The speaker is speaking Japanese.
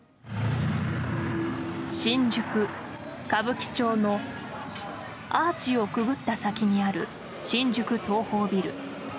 新宿・歌舞伎町のアーチをくぐった先にある新宿東宝ビル。